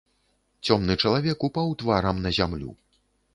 Цёмны чалавек упаў тварам на зямлю.